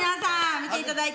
見ていただいて。